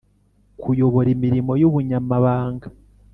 Kuyobora imirimo y ubunyamabanga